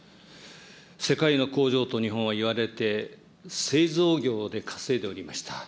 世界の向上と日本は言われて、製造業で稼いでおりました。